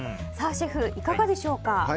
シェフ、いかがでしょうか？